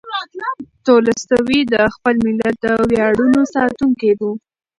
تولستوی د خپل ملت د ویاړونو ساتونکی و.